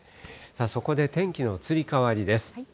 そこで天気の移り変わりです。